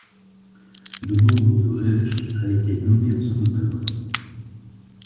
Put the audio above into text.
Le nombre de Reech a été nommé en son honneur.